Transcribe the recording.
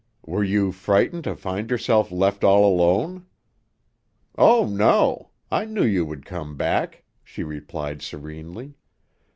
"Were you frightened to find yourself left all alone?" "Oh, no. I knew you would come back," she replied serenely.